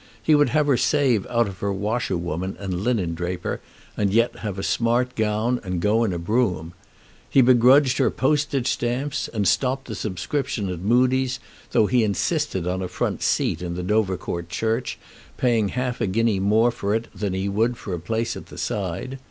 He would have her save out of her washerwoman and linendraper, and yet have a smart gown and go in a brougham. He begrudged her postage stamps, and stopped the subscription at Mudie's, though he insisted on a front seat in the Dovercourt church, paying half a guinea more for it than he would for a place at the side.